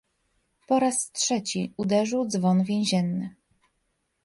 "Po raz trzeci uderzył dzwon więzienny."